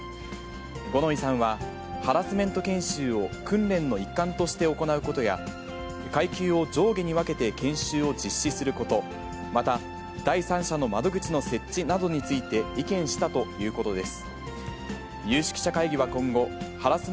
五ノ井さんは、ハラスメント研修を訓練の一環として行うことや、階級を上下に分けて研修を実施すること、また、第三者の窓口の設置などについて意見したということです。